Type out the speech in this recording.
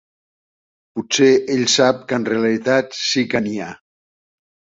Potser ell sap que en realitat sí que n'hi ha.